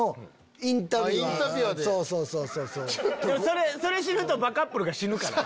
それするとバカップルが死ぬから。